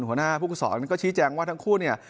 หัวหน้าผู้ฝึกศรก็ชี้แจงว่าทั้งคู่เนี่ย